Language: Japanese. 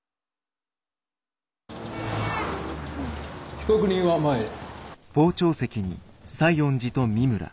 被告人は前へ。